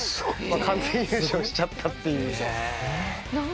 完全優勝しちゃったっていう。